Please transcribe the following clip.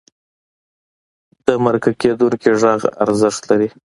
د مرکه کېدونکي غږ ارزښت لري.